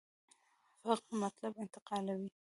فقره مطلب انتقالوي.